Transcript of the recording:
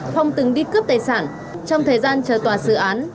phong từng đi cướp tài sản trong thời gian chờ tòa xử án